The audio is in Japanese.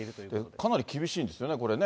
かなり厳しいんですよね、これね。